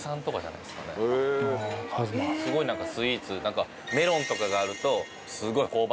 すごい何かスイーツ。イメージ。